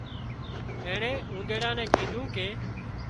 اينڻي اونۮاڙا نين ڪيڌون ڪي